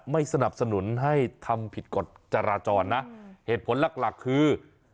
ไม่สนับสนุนให้ทำผิดกฎจราจรนะเหตุผลหลักหลักคือ